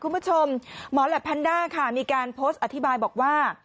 คุณผู้ชมหมอแหลปแพนด้าค่ะมีการโพสต์อธิบายบอกว่า